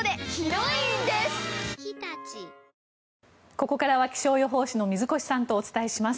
ここからは気象予報士の水越さんとお伝えします。